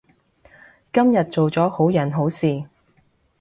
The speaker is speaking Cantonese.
今日做咗好人好事